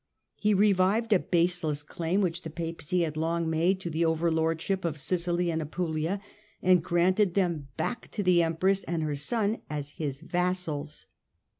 He revived a baseless claim which the Papacy had long made to the overlordship of Sicily and Apulia, and granted them back to the Empress and her son as his vassals.